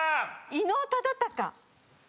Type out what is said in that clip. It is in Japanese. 伊能忠敬。